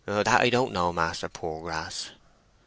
"That I don't know, Master Poorgrass."